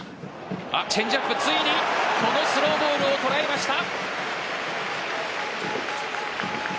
チェンジアップついにこのスローボールを捉えました。